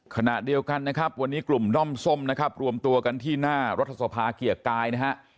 ขณะเดียวกันนะครับวันนี้กลุ่มด้อมส้มนะครับรวมตัวกันที่หน้ารัฐสภาเกียรติกายนะฮะ